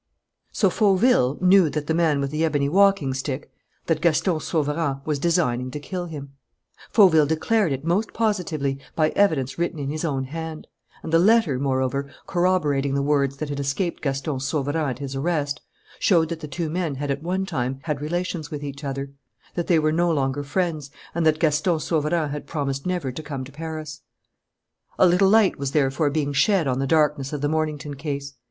So Fauville knew that the man with the ebony walking stick, that Gaston Sauverand, was designing to kill him. Fauville declared it most positively, by evidence written in his own hand; and the letter, moreover, corroborating the words that had escaped Gaston Sauverand at his arrest, showed that the two men had at one time had relations with each other, that they were no longer friends, and that Gaston Sauverand had promised never to come to Paris. A little light was therefore being shed on the darkness of the Mornington case.